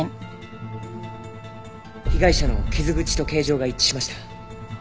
被害者の傷口と形状が一致しました。